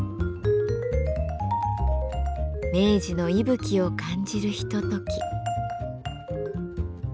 明治の息吹を感じるひととき。